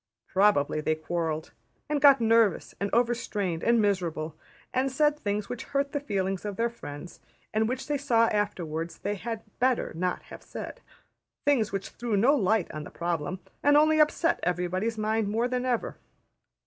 Probably they quarrelled, and got nervous and overstrained and miserable, and said things which hurt the feelings of their friends, and which they saw afterwards they had better not have said things which threw no light on the problem, and only upset everybody's mind more than ever.